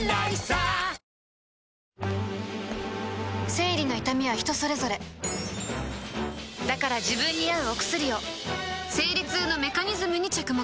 生理の痛みは人それぞれだから自分に合うお薬を生理痛のメカニズムに着目